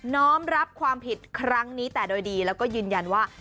้อมรับความผิดครั้งนี้แต่โดยดีแล้วก็ยืนยันว่า